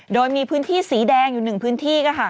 โดยมีพื้นที่สีแดงอยู่๑พื้นที่